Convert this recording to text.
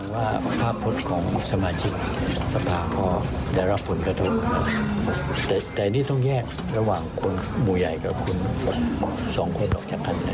ว่าภาพพจน์ของสมาชิกสภาก็ได้รับผลกระทบแต่นี่ต้องแยกระหว่างคนหมู่ใหญ่กับคนสองคนออกจากกัน